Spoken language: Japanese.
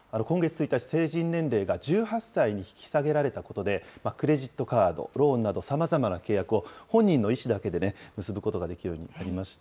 今月１日、成人年齢が１８歳に引き下げられたことで、クレジットカード、ローンなど、さまざまな契約を本人の意思だけで結ぶことができるようになりま